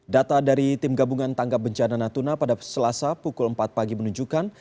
data dari tim gabungan tangga bencana natuna pada selasa pukul empat pagi menunjukkan